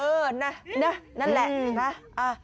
เออนั่นแหละ